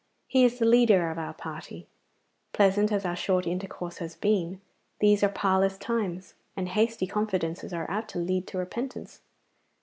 He is the leader of our party. Pleasant as our short intercourse has been, these are parlous times, and hasty confidences are apt to lead to repentance.